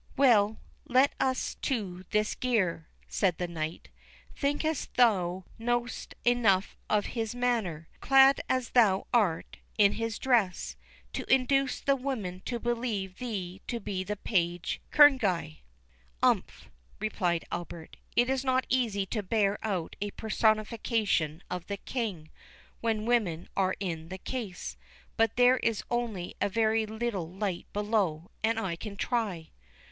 "Well, let us to this gear," said the knight; "think'st thou know'st enough of his manner, clad as thou art in his dress, to induce the women to believe thee to be the page Kerneguy?" "Umph," replied Albert, "it is not easy to bear out a personification of the King, when women are in the case. But there is only a very little light below, and I can try."